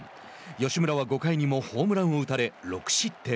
吉村は５回にもホームランを打たれ６失点。